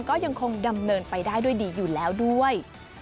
ก็ยังคงดำเนินไปได้ด้วยดีอยู่แล้วด้วย